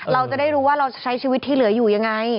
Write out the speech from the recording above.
เราจะได้รู้ว่าเราใช้ชีวิตที่เหลืออยู่ยังไง